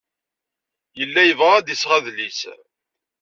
Yella yebɣa ad d-iseɣ adlis.